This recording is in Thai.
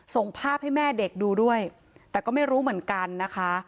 ส่งภาพให้แม่เด็กดูด้วยแต่ก็ไม่รู้เหมือนกันนะคะ